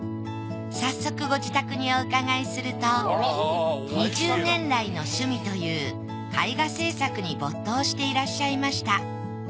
早速ご自宅にお伺いすると二十年来の趣味という絵画制作に没頭していらっしゃいました。